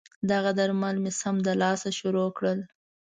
دغه درمل مې سمدلاسه شروع کړل.